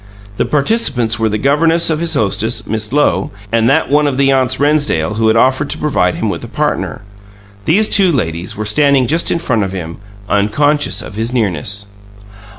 The participants were the governess of his hostess, Miss Lowe, and that one of the aunts Rennsdale who had offered to provide him with a partner. These two ladies were standing just in front of him, unconscious of his nearness.